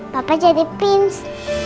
papa jadi prins